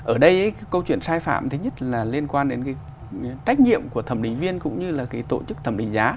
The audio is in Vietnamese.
ở đây câu chuyện sai phạm thứ nhất là liên quan đến cái trách nhiệm của thẩm định viên cũng như là cái tổ chức thẩm định giá